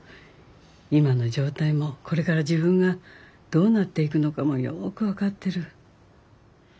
今の状態もこれから自分がどうなっていくのかもよく分かってる。